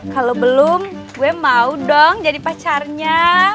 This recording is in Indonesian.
kalau belum gue mau dong jadi pacarnya